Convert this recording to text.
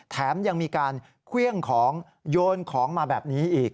แถมยังมีการเครื่องของโยนของมาแบบนี้อีก